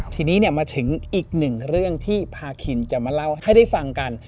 ทีนี้มาถึงอีกหนึ่งเรื่องที่พาคินจะมาเล่าให้ได้ฟังกัน